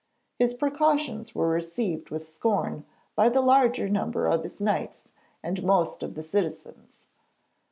His precautions were received with scorn by the larger number of his Knights and most of the citizens.